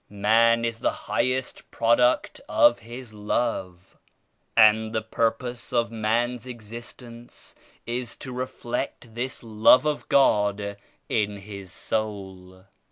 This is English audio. Man is the highest product of His Love and the purpose of man's existence is to reflect this Love of God in his soul.